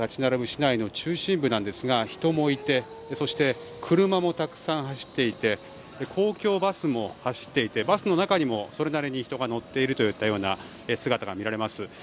市内の中心部なんですが人もいてそして、車もたくさん走っていて公共バスも走っていてバスの中にもそれなりに人が乗っているというような姿が見られます。